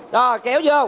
rồi kéo vô